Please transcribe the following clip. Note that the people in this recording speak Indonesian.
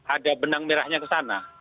ada benang merahnya kesana